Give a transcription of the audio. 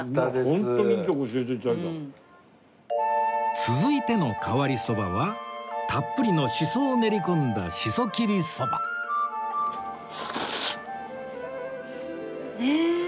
続いての変わりそばはたっぷりのしそを練り込んだしそ切りそばねえ！